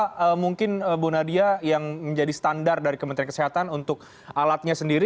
apa mungkin bu nadia yang menjadi standar dari kementerian kesehatan untuk alatnya sendiri